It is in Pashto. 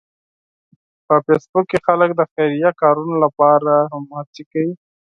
په فېسبوک کې خلک د خیریه کارونو لپاره هم هڅې کوي